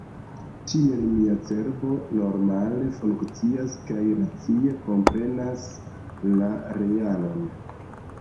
Tiel, mia cerbo normale funkcias kaj racie komprenas la realon.